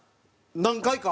何回か。